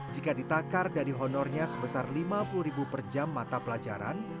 jika ditakar dari honornya sebesar lima puluh ribu per jam mata pelajaran